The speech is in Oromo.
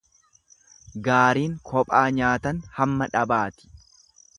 Gaariin kophaa nyaatan hamma dhabaati.